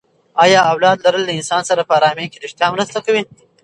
ایا اولاد لرل له انسان سره په ارامي کې ریښتیا مرسته کوي؟